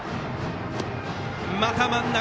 また真ん中。